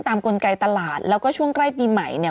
ตามกลไกตลาดแล้วก็ช่วงใกล้ปีใหม่